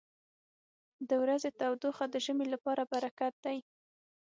• د ورځې تودوخه د ژمي لپاره برکت دی.